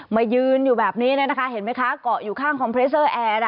มายืนอยู่แบบนี้นะคะเห็นไหมคะเกาะอยู่ข้างคอมเพรสเซอร์แอร์